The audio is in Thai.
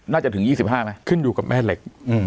น่าจะถึง๒๕มั้ยขึ้นอยู่กับแม่เหล็ก